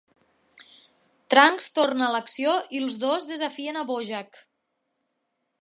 Trunks torna a l'acció i els dos desafien a Bojack.